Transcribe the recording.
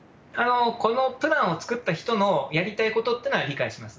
このプランを作った人のやりたいことっていうのは、理解してます。